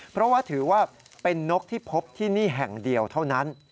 เพราะว่าถือว่าเป็นนกที่พบที่นี่แห่งเดียวเท่านั้น